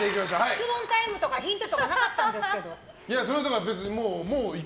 質問タイムとかヒントとかなかったんですけど。